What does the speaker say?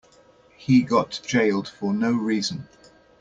He got jailed for no reason.